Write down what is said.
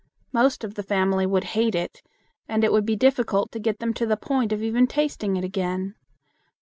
Most of the family would hate it, and it would be difficult to get them to the point of even tasting it again.